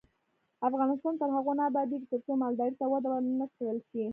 افغانستان تر هغو نه ابادیږي، ترڅو مالدارۍ ته وده ورنکړل شي.